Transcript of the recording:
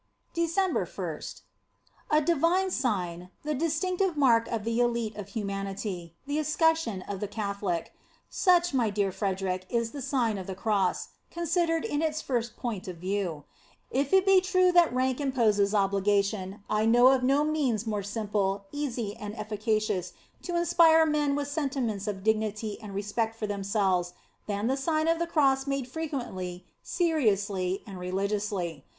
December 1st. A DIVINE Sign, the distinctive mark of the elite of humanity, the escutcheon of the Catho lic; such, my dear Frederic, is the Sign of the Cross, considered in its first point of view. If it be true that rank imposes obligation, I know of no means more simple, easy, and efficacious to inspire men with sentiments of dignity and respect for themselves, than the Sign of the Cross made frequently, seriously, and religiously.